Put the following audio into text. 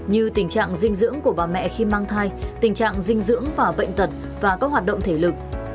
như tình trạng dinh dưỡng của bà mẹ khi mang thai tình trạng dinh dưỡng và bệnh tật và các hoạt động thể lực